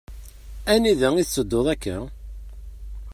Anida i tetteddud akka?